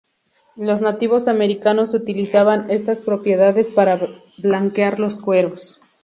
Los nativos americanos utilizaban estas propiedades para blanquear los cueros.